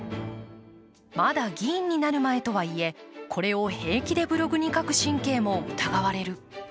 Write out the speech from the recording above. まだ議員になる前とはいえこれを平気でブログに書く神経も疑われる。